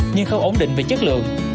nhưng không ổn định về chất lượng